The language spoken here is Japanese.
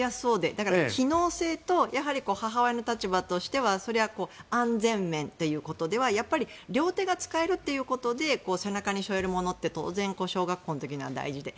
だから機能性と母親の立場としてはそれは安全面ということでは両手が使えるということで背中に背負えるものって当然、小学校の時には大事で。